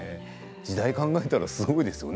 時代を考えたらそうですよね。